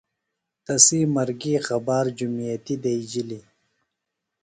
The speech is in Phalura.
تسی مرگیۡ خبار جُمیتیۡ دئیجِلیۡ.